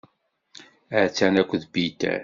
Attan akked Peter.